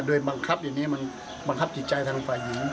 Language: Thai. โดยบังคับจิตใจทางฝ่ายนี้